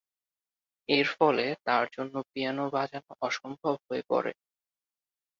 এরফলে তার জন্য পিয়ানো বাজানো অসম্ভব হয়ে পরে।